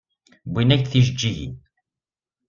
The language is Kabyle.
Wwin-ak-d tijeǧǧigin.